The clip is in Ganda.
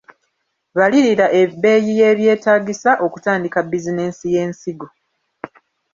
Balirira ebbeeyi y’ebyetaagisa okutandika bizinensi y’ensigo.